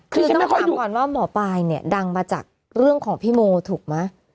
คือต้องถามก่อนว่าหมอปลายเนี่ยดังมาจากเรื่องของพี่โมถูกไหม